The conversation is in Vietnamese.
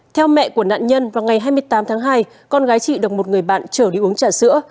theo mẹ của nạn nhân vào ngày hai mươi tám tháng hai con gái chị đồng một người bạn trở đi uống trà sữa